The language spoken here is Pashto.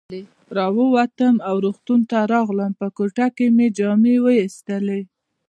را ووتم او روغتون ته راغلم، په کوټه کې مې جامې وایستلې.